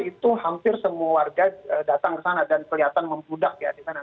itu hampir semua warga datang ke sana dan kelihatan membludak ya di sana